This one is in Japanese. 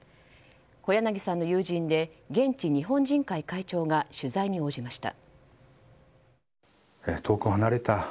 小柳さんの友人で現地日本人会会長が取材に応じました。